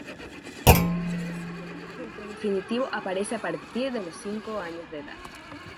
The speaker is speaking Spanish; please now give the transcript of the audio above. El plumaje adulto definitivo aparece a partir de los cinco años de edad.